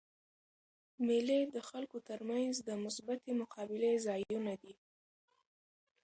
مېلې د خلکو تر منځ د مثبتي مقابلې ځایونه دي.